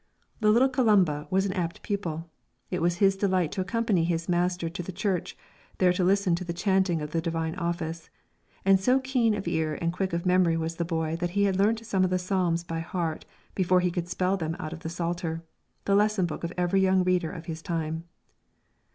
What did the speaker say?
The little Columba was an apt pupil. It was his delight to accompany his master to the Church, there to listen to the chanting of the Divine Office; and so keen of ear and quick of memory was the boy that he had learnt some of the psalms by heart before he could spell them out in the Psalter the lesson book of every young reader of his time.